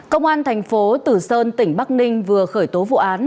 công an thành phố tử sơn tỉnh bắc ninh vừa khởi tố vụ án